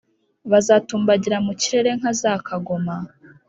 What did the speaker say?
bazatumbagira mu kirere nka za kagoma,